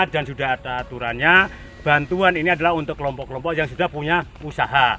dan sudah ada aturannya bantuan ini adalah untuk kelompok kelompok yang sudah punya usaha